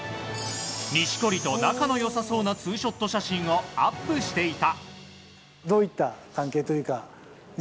錦織と仲の良さそうなツーショット写真をアップしていた。